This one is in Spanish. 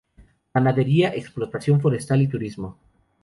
Ganadería, explotación forestal y turismo.